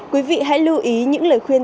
quý vị hãy lưu ý những lời khuyên